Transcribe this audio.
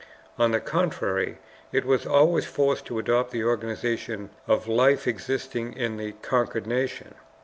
On the contrary, it was always forced to adopt the organization of life existing in the conquered nation.